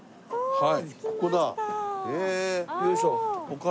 はい。